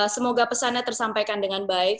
semoga pesannya tersampaikan dengan baik